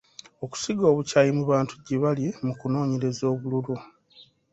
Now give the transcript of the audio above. Okusiga obukyayi mu bantu gye bali mu kunoonyeza obululu.